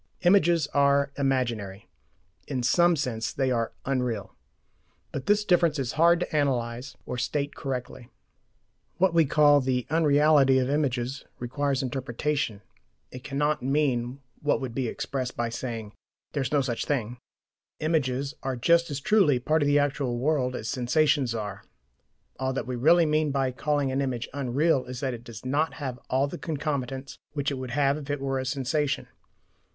Images are "imaginary"; in SOME sense they are "unreal." But this difference is hard to analyse or state correctly. What we call the "unreality" of images requires interpretation it cannot mean what would be expressed by saying "there's no such thing." Images are just as truly part of the actual world as sensations are. All that we really mean by calling an image "unreal" is that it does not have the concomitants which it would have if it were a sensation.